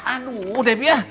aduh debbie ya